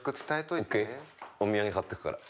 お土産買っていくから。